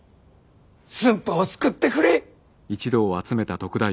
駿府を救ってくれい。